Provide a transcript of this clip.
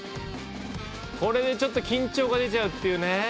これでちょっと緊張が出ちゃうっていうね。